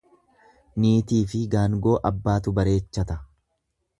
Niitiifi gaangoo abbaatu bareechata.